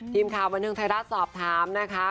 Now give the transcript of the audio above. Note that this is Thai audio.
ทีมข่าวบันเทิงไทยรัฐสอบถามนะคะ